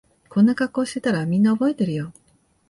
こんな格好してたらみんな覚えてるよ